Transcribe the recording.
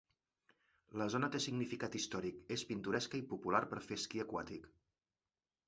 La zona té significat històric, és pintoresca i popular per fer esquí aquàtic.